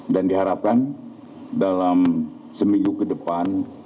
dan diharapkan dalam seminggu ke depan